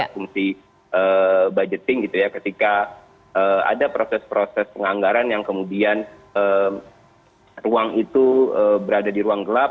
fungsi budgeting gitu ya ketika ada proses proses penganggaran yang kemudian ruang itu berada di ruang gelap